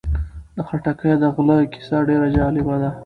د خټکیو د غله کیسه ډېره جالبه ده.